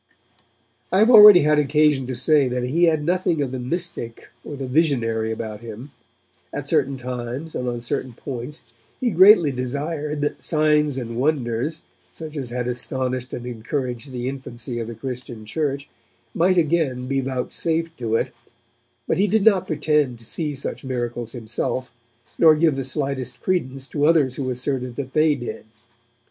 I have already had occasion to say that he had nothing of the mystic or the visionary about him. At certain times and on certain points, he greatly desired that signs and wonders, such as had astonished and encouraged the infancy of the Christian Church, might again be vouchsafed to it, but he did not pretend to see such miracles himself, nor give the slightest credence to others who asserted that they did.